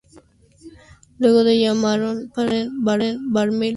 Luego lo llamaron para trabajar en Marbella Stereo, en Colón.